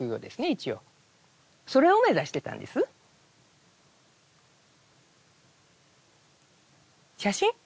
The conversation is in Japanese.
一応それを目指してたんです写真？